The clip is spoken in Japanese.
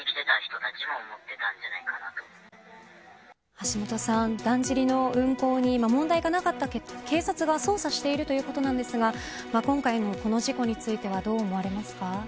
橋下さん、だんじりの運行に問題がなかったか警察が捜査しているということなんですが今回の事故についてはどう思われますか。